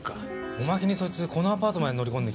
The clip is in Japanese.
おまけにそいつこのアパートまで乗り込んできて。